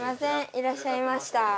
いらっしゃいました。